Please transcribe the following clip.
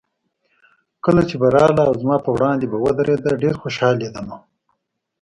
کله چې به راغله او زما په وړاندې به ودرېده، ډېر خوشحالېدم.